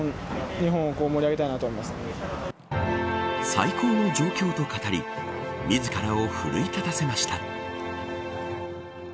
最高の状況と語り自らを奮い立たせました。